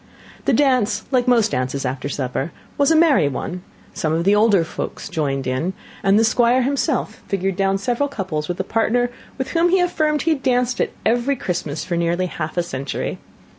The dance, like most dances after supper, was a merry one; some of the older folks joined in it, and the Squire himself figured down several couples with a partner with whom he affirmed he had danced at every Christmas for nearly half a century.